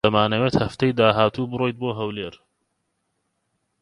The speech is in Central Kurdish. دەمانەوێت هەفتەی داهاتوو بڕۆیت بۆ ھەولێر.